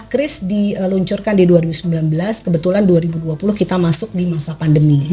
kris diluncurkan di dua ribu sembilan belas kebetulan dua ribu dua puluh kita masuk di masa pandemi